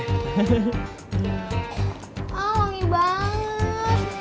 oh wangi banget